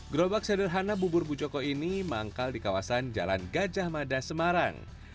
gerobak sederhana bubur bujoko ini manggal di kawasan jalan gajah mada semarang